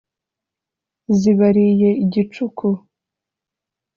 z ibariye igicuku